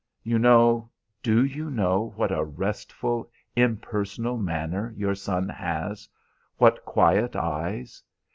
You know do you know what a restful, impersonal manner your son has? What quiet eyes!